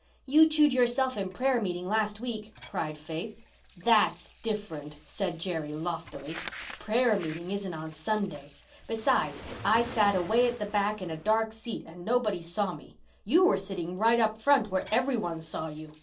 "You chewed yourself in prayer meeting last week," cried Faith. "that's different," said Jerry loftily. "Prayer meeting isn't on Sunday. Besides, I sat away at the back in a dark seat and nobody saw me. You were sitting right up front where every one saw you.